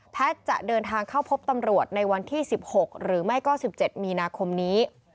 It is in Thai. จะเดินทางเข้าพบตำรวจในวันที่๑๖หรือไม่ก็๑๗มีนาคมนี้